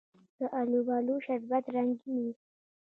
د الوبالو شربت رنګین وي.